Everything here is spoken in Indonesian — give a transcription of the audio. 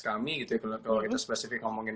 kami gitu ya kalau itu spesifik ngomongin